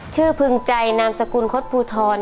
ชื่อพึงใจนามสกุลคสพูทร